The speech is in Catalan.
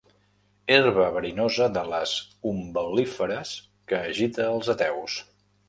Herba verinosa de les umbel·líferes que agita els ateus.